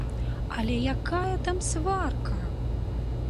Але якая там сварка!